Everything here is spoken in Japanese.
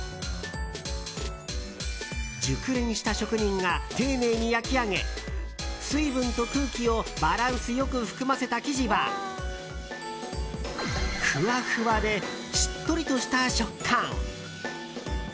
熟練した職人が丁寧に焼き上げ水分と空気をバランス良く含ませた生地はふわふわでしっとりした食感。